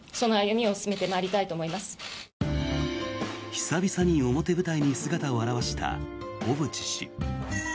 久々に表舞台に姿を現した小渕氏。